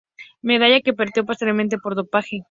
Medalla que perdió posteriormente por dopaje.